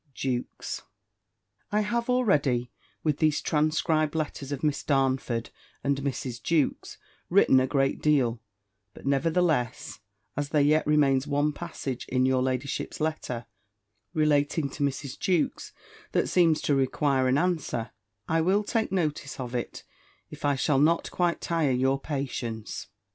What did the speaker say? JEWKES." I have already, with these transcribed letters of Miss Darnford and Mrs. Jewkes, written a great deal: but nevertheless, as there yet remains one passage in your ladyship's letter, relating to Mrs. Jewkes, that seems to require an answer, I will take notice of it, if I shall not quite tire your patience.